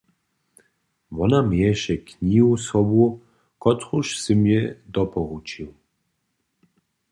Wona měješe knihu sobu, kotruž sym jej doporučił.